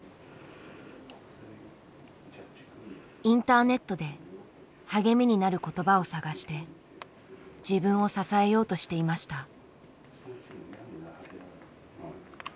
インターネットで励みになる言葉を探して自分を支えようとしていました。